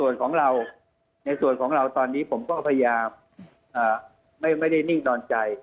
และในส่วนของเราตอนนี้ผมก็พยายามไม่ได้นิ่งนอนใจ